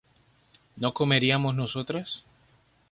¿no comeríamos nosotras?